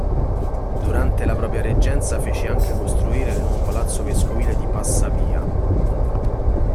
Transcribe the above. Durante la propria reggenza fece anche costruire il nuovo palazzo vescovile di Passavia.